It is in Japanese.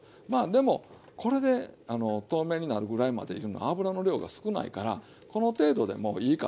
でもこれで透明になるぐらいまでいうのは油の量が少ないからこの程度でもういいかと思うんですよ。